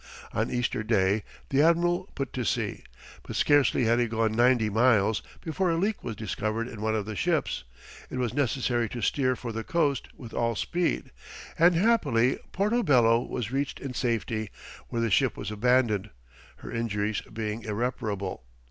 On Easter day the admiral put to sea, but scarcely had he gone ninety miles before a leak was discovered in one of the ships; it was necessary to steer for the coast with all speed, and happily Porto Bello was reached in safety, where the ship was abandoned, her injuries being irreparable.